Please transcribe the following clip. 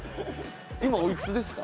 今おいくつですか？